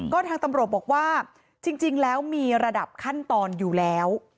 ก็ทางตำรวจบอกว่าจริงแล้วมีระดับขั้นตอนอยู่แล้ว